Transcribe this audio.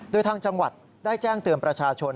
โดยทางจังหวัดได้แจ้งเตือนประชาชน